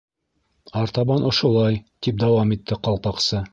—Артабан ошолай, —тип дауам итте Ҡалпаҡсы: